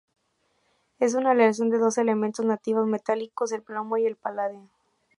Es una aleación de dos elementos nativos metálicos: el plomo y el paladio.